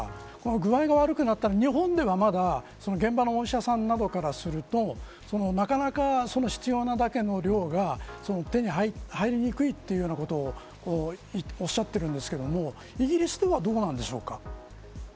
具合が悪くなったら日本ではまだ現場のお医者さんなどからするとなかなか必要なだけの量が手に入りにくいというようなことをおっしゃているんですけれどもイギリスではどうなんでしょうか。